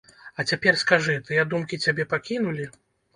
А цяпер скажы, тыя думкі цябе пакінулі?